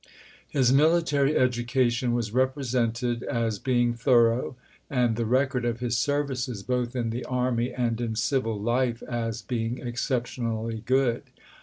His military education was represented as being thorough, and the record of his services both in the army and in civil life as being exceptionally good.